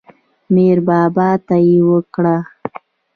میر بابا ته یې ورکړ.